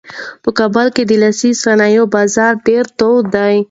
په کابل کې د لاسي صنایعو بازار ډېر تود دی.